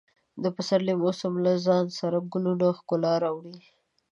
د پسرلي موسم له ځان سره د ګلونو ښکلا راوړي.